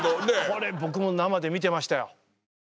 これ僕も生で見てましたよ。